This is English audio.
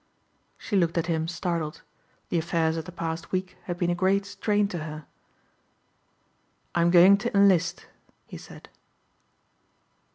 She looked at him startled. The affairs of the past week had been a great strain to her. "I'm going to enlist," he said.